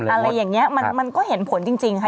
อะไรอย่างนี้มันก็เห็นผลจริงค่ะ